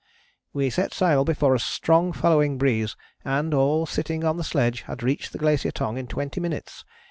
"We set sail before a strong following breeze and, all sitting on the sledge, had reached the Glacier Tongue in twenty minutes.